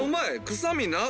臭みなっ。